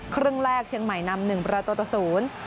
ครึ่งแรกเชียงใหม่นำ๑ประตูตะศูนย์